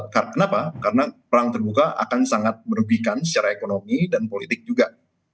karena kenapa karena perang terbuka akan sangat merugikan secara ekonomi dan politik juga